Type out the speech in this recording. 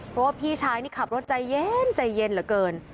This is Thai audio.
เพราะว่าพี่ชายนี่ขับรถใจเย็นใจเย็นเหลือเกิน